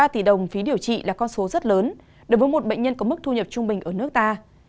ba tỷ đồng phí điều trị là con số rất lớn đối với một bệnh nhân có mức thu nhập trung bình ở nước ta